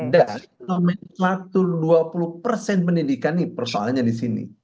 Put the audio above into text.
dan nomenklatur dua puluh pendidikan persoalannya di sini